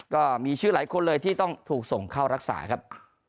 ก็มีชื่อหลายคนเลยที่ต้องถูกส่งเข้ารักษาครับ